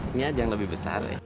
ini aja yang lebih besar